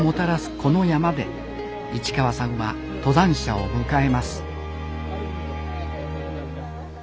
この山で市川さんは登山者を迎えます